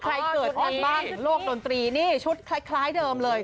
ใครเกิดกันบ้างโลกดนตรีนี่ชุดคล้ายเดิมเลย